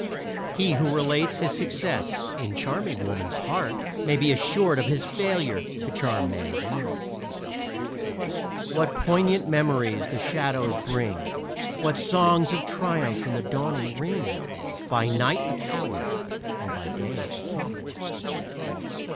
He who relates his success in charming woman's heart may be assured of his failure to charm man's ear. What poignant memories the shadows bring What songs of triumph in the dawning ring! By night a coward and by day a king.